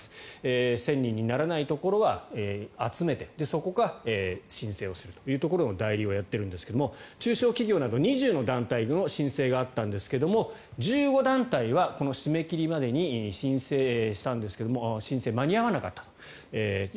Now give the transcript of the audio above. １０００人にならないところは集めてそこが申請をするというところの代理をやってるんですが中小企業など２０の団体の申請があったんですけれども１５団体はこの締め切りまでに申請したんですが申請が間に合わなかった。